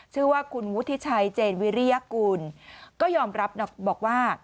ชื่อว่าคุณวุฒิชัยเจนวิริยากูลก็ยอมรับบอกว่า